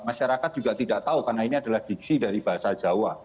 masyarakat juga tidak tahu karena ini adalah diksi dari bahasa jawa